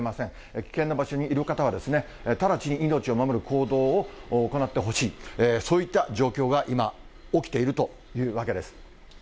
危険な場所にいる方はですね、直ちに命を守る行動を行ってほしい、そういった状況が今、起きているというわけです。